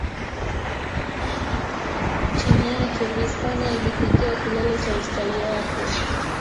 Chini yake, Hispania ilifikia kilele cha ustawi wake.